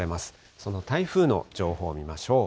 その台風の情報を見ましょう。